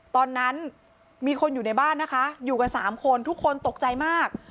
ตอนนั้นมีคนอยู่ในบ้านนะคะอยู่กัน๓คนทุกคนตกใจมาก